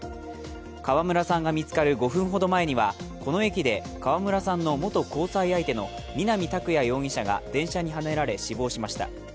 川村さんが見つかる５分ほど前にはこの駅で川村さんの元交際相手の南拓哉容疑者が電車にはねられ死亡しました。